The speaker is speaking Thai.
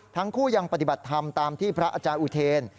ทั้งคู่ยังปฏิบัติธรรมตามที่พระอาจารย์อุเทน